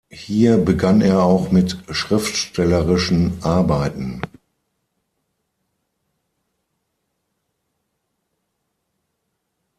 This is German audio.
Hier begann er auch mit schriftstellerischen Arbeiten.